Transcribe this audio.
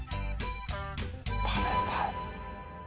食べたい。